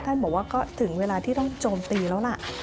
บอกว่าก็ถึงเวลาที่ต้องโจมตีแล้วล่ะ